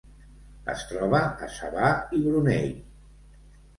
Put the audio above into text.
Es troba a Sabah i Brunei.